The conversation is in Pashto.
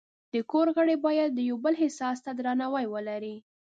د کور غړي باید د یو بل احساس ته درناوی ولري.